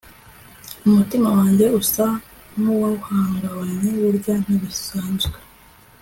umutima wanjye usa nkuwahungabanye, burya ntibisanzwe